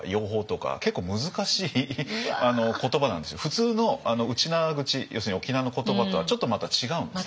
普通のウチナーグチ要するに沖縄の言葉とはちょっとまた違うんですね。